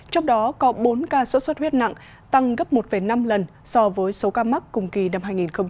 trong đó có bốn ca sốt xuất huyết nặng tăng gấp một năm lần so với số ca mắc cùng kỳ năm hai nghìn hai mươi ba